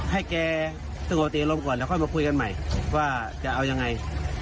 ให้แกสงบสติอารมณ์ก่อนแล้วค่อยมาคุยกันใหม่ว่าจะเอายังไง